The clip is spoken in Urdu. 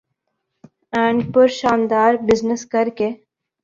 اینڈ پر شاندار بزنس کرکے